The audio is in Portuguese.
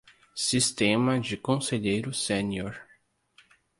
Sistema de conselheiro sênior